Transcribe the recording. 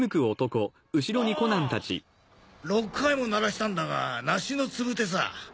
ああ６回も鳴らしたんだが梨のつぶてさ。